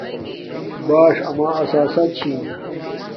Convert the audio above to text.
باؑݽ اما اساسہ چھی